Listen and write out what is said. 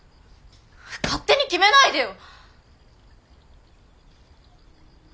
勝手に決めないでよ！